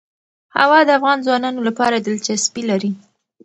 هوا د افغان ځوانانو لپاره دلچسپي لري.